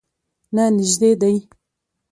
نه، نژدې دی